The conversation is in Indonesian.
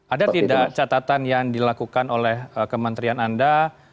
ada tidak catatan yang dilakukan oleh kementerian anda